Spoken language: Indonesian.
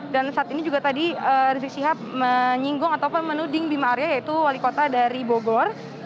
dan saat ini juga tadi rizik syihab menyinggung ataupun menuding bima arya yaitu wali kota dari bogor